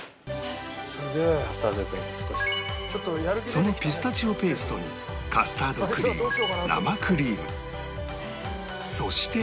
そのピスタチオペーストにカスタードクリーム生クリームそして